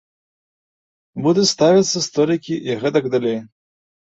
Будуць ставіцца столікі і гэтак далей.